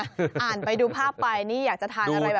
อ่านไปดูภาพไปนี่อยากจะทานอะไรแบบ